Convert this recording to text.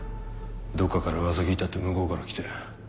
どっかから噂聞いたって向こうから来て。